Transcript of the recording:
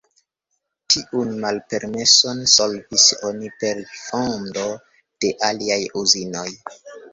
Tiun malpermeson solvis oni per fondo de aliaj uzinoj.